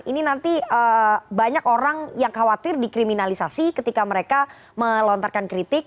ini nanti banyak orang yang khawatir dikriminalisasi ketika mereka melontarkan kritik